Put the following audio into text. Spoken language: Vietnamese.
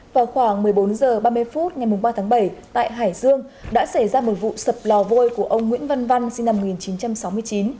vào khoảng một mươi bốn h ba mươi phút ngày ba tháng bảy tại hải dương đã xảy ra một vụ sập lò vôi của ông nguyễn văn văn sinh năm một nghìn chín trăm sáu mươi chín